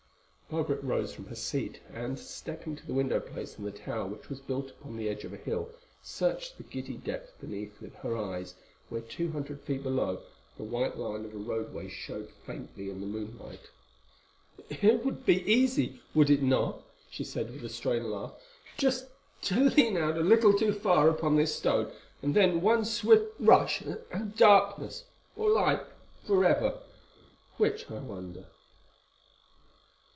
Margaret rose from her seat and, stepping to the window place in the tower which was built upon the edge of a hill, searched the giddy depth beneath with her eyes, where, two hundred feet below, the white line of a roadway showed faintly in the moonlight. "It would be easy, would it not," she said, with a strained laugh, "just to lean out a little too far upon this stone, and then one swift rush and darkness—or light—for ever—which, I wonder?"